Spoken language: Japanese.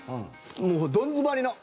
もう、どん詰まりの。